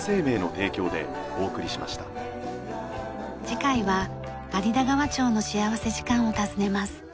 次回は有田川町の幸福時間を訪ねます。